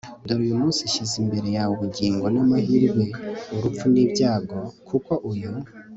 dore uyu munsi nshyize imbere yawe ubugingo n'amahirwe, urupfu n'ibyago ; kuko uyu